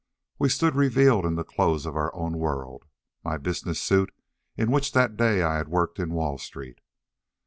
We stood revealed in the clothes of our own world. My business suit, in which that day I had worked in Wall Street.